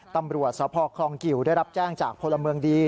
ตำรวจสพคลองกิวได้รับแจ้งจากพลเมืองดี